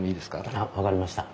あっ分かりました。